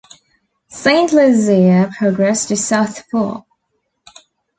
Saint Lucia progress to South Pool.